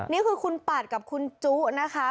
นี่คือคุณปัดกับคุณจุนะคะ